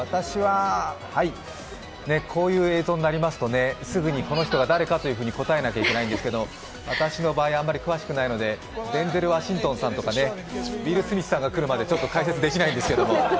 こういう映像になりますと、すぐにこの人が誰かというのに答えなきゃいけないんですけど、私の場合あまり詳しくないので、デンゼル・ワシントンさんとかウィル・スミスさんが来るまでちょっとできないんですけど。